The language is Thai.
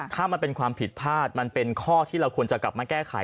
ถ้ามันเป็นความผิดพลาดมันเป็นข้อที่เราควรจะกลับมาแก้ไข